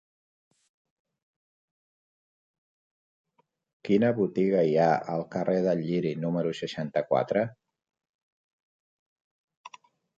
Quina botiga hi ha al carrer del Lliri número seixanta-quatre?